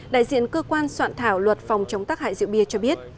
đại diện cơ quan soạn thảo luật phòng chống tác hại rượu bia cho biết